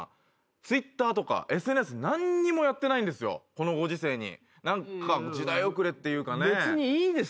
このご時世に。